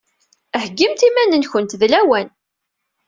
Heggimt iman-nkent d lawan!